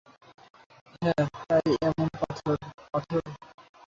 হ্যাঁ, তাই এমন পাথর, - পাথর?